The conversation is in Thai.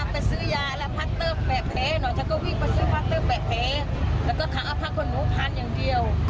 ไปซื้อยาแล้วพักเติบแปะเพ๊